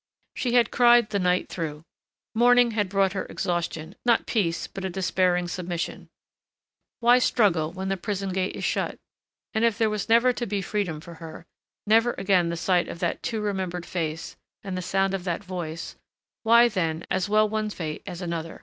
She had cried the night through. Morning had brought her exhaustion, not peace but a despairing submission. Why struggle when the prison gate is shut? And if there was never to be freedom for her ... never again the sight of that too remembered face and the sound of that voice why, then, as well one fate as another.